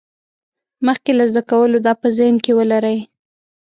مخکې له زده کولو دا په ذهن کې ولرئ.